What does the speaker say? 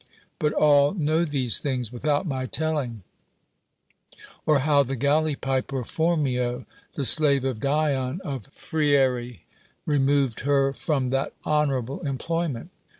— But all know these things without my telling — Or how the galley piper Phormio, the slave of Dion of Phrearrii, removed her from that honorable employment.